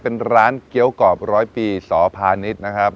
เป็นร้านเกี้ยวกรอบร้อยปีสพาณิชย์นะครับ